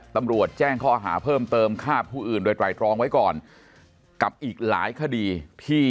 ตำรวจแจ้งข้อหาเพิ่มเติมฆ่าผู้อื่นโดยไตรตรองไว้ก่อนกับอีกหลายคดีที่